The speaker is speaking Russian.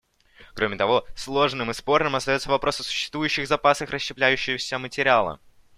Кроме того, сложным и спорным остается вопрос о существующих запасах расщепляющегося материала.